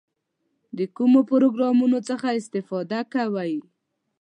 د کومو پروګرامونو څخه استفاده کوئ؟